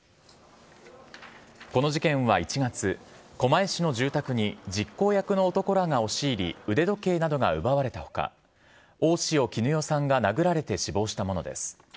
この事件は１月、狛江市の住宅に実行役の男らが押し入り、腕時計などが奪われたほか、大塩衣与さんが殴られて死亡したものです。